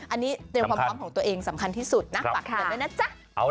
อันนี้เป็นความพร้อมของตัวเองสำคัญที่สุดนะฝากกดไว้นะจ๊ะ